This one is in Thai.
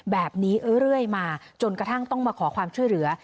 แบบนี้เรื่อยมาจนกระทั่งต้องมาขอความช่วยเหลือ